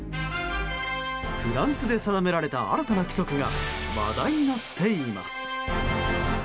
フランスで定められた新たな規則が話題になっています。